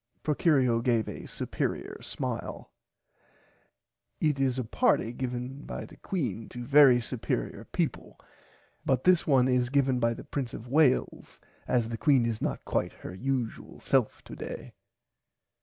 Procurio gave a superier smile. It is a party given by the Queen to very superier peaple but this one is given by the Prince of Wales as the Queen is not quite her usual self today.